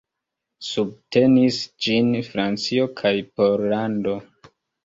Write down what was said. Subtenis ĝin Francio kaj Pollando.